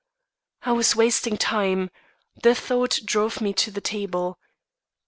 "I was wasting time. The thought drove me to the table.